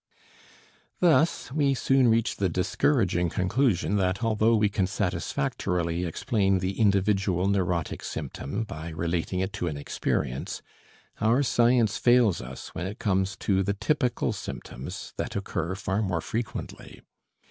Thus we soon reach the discouraging conclusion that although we can satisfactorily explain the individual neurotic symptom by relating it to an experience, our science fails us when it comes to the typical symptoms that occur far more frequently.